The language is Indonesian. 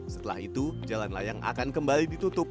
setelah itu jalan layang akan kembali ditutup